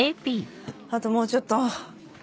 あともうちょっと。